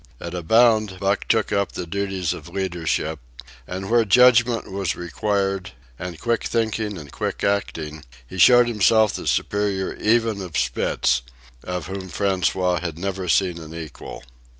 At a bound Buck took up the duties of leadership; and where judgment was required, and quick thinking and quick acting, he showed himself the superior even of Spitz, of whom François had never seen an equal.